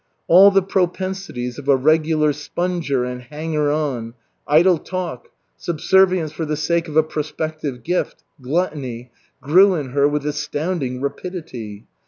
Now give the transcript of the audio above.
All the propensities of a regular sponger and hanger on, idle talk, subservience for the sake of a prospective gift, gluttony, grew in her with astounding rapidity.